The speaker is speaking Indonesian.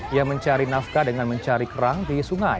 ia mencari nafkah dengan mencari kerang di sungai